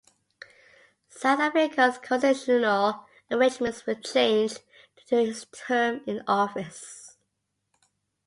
South Africa's constitutional arrangements were changed during his term in office.